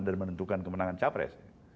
dan menentukan kemenangan capres